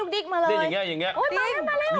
ดิ๊กมาเลยดิ๊กมาเลยโอ้ยมาแล้ว